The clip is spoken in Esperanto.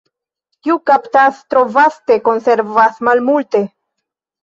Kiu kaptas tro vaste, konservas malmulte.